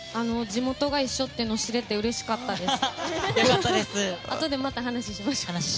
地元が一緒っていうのを知れてうれしかったです。